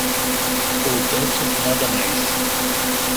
Portanto, nada mais.